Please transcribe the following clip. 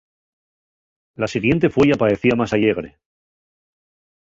La siguiente fueya paecía más allegre.